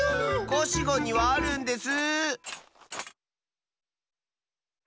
コシゴンにはあるんです！